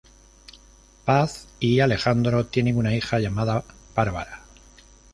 Paz y Alejandro tienen una hija llamada Bárbara.